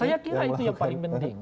saya kira itu yang paling penting